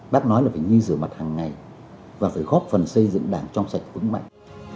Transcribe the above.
bác nói là phải nghi sửa mặt hàng ngày và phải góp phần xây dựng đảng trong sạch vững mạnh